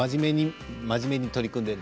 真面目に取り組んでいる。